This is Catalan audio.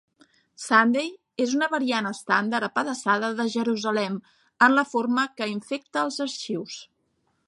Sunday és una variant estàndard apedaçada de Jerusalem en la forma que infecta els arxius.